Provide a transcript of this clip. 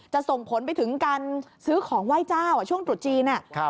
ส่งผลไปถึงการซื้อของไหว้เจ้าช่วงตรุษจีน